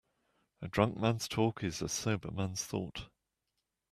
A drunk man's talk is a sober man's thought.